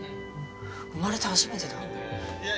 生まれて初めてだ。